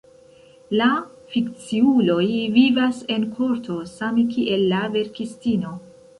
La fikciuloj vivas en korto, same kiel la verkistino.